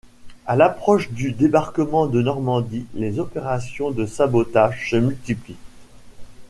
À l'approche du débarquement de Normandie, les opérations de sabotage se multiplient.